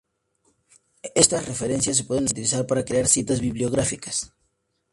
Estas referencias se pueden utilizar para crear citas bibliográficas.